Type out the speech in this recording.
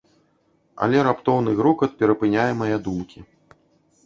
Але раптоўны грукат перапыняе мае думкі.